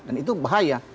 dan itu bahaya